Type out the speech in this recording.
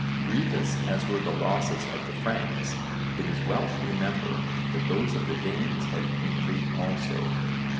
Grievous as were the losses of the Franks, it is well to remember that those of the Danes had been great also.